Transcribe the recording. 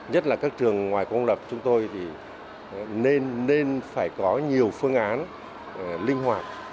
nhất là các trường ngoài công lập chúng tôi thì nên phải có nhiều phương án linh hoạt